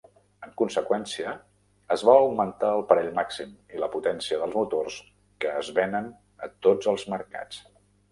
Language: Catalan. En conseqüència, es va augmentar el parell màxim i la potència dels motors que es venen a tots els mercats.